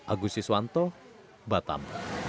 agusti swanto batam